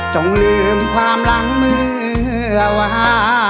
จงลืมความหลังเมื่อวา